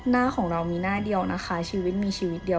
หน้าของเรามีหน้าเดียวนะคะชีวิตมีชีวิตเดียว